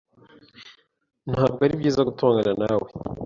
Ntabwo ari byiza gutongana nawe.